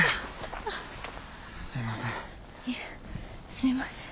すいません。